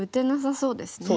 そうですよね。